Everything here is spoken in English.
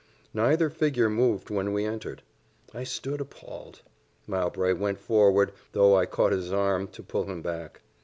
Neither figure moved when we entered. I stood appalled; Mowbray went forward, though I caught his arm to pull him back.